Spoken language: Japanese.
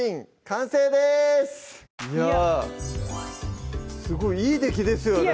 完成ですいやすごいいい出来ですよね